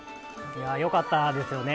よかったですよね。